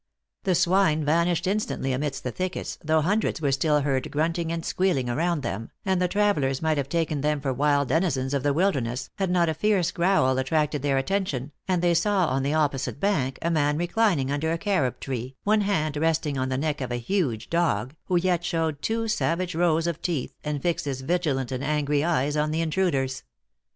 The swine vanished instantly amidst the thickets, though hundreds were still heard grunting and squealing around them, and the travelers might have taken them for wild den izens of the wilderness, had not a fierce growl attract ed their attention, and they saw on the opposite bank a man reclining under a carob tree, one hand resting on the neck of a huge dog, who yet showed two sav age rows of teeth, and fixed his vigilant and angry eyes on the intruders.